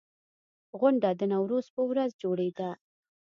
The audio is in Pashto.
غونډه د نوروز په ورځ جوړېده.